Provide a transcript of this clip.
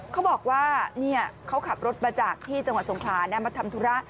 เขาบอกว่าเขาขับรถมาจากที่จังหวัดสงขลานะมาทำธุระ